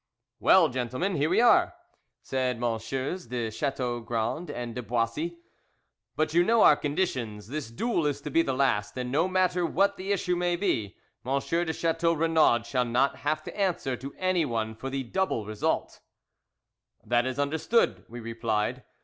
"Well, gentlemen, here we are!" said MM. de Chateaugrand and de Boissy, "but you know our conditions. This duel is to be the last, and no matter what the issue may be, M. de Chateau Renaud shall not have to answer to any one for the double result." "That is understood," we replied.